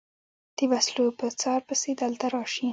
د وسلو په څار پسې دلته راشي.